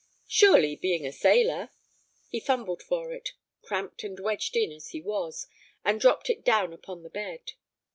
"Surely, being a sailor." He fumbled for it, cramped and wedged in as he was, and dropped it down upon the bed.